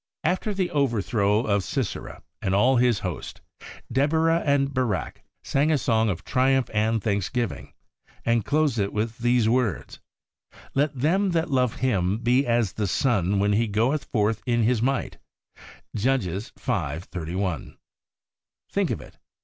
After the overthrow of Sisera and all his host, Deborah and Barak sang a song of triumph and thanksgiving, and closed it with these words, ' Let them that love Him be as the sun when he goeth forth in his might' (Judges v. 31). Think of it!